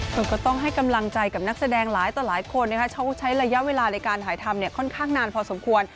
ก็ต้องให้กำลังใจกับนักแสดงหลายต่อหลายคนเขาใช้ระยะเวลาในการถ่ายทำค่อนข้างนานพอสมควร